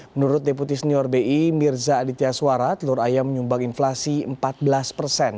menurut deputi senior bi mirza aditya suara telur ayam menyumbang inflasi empat belas persen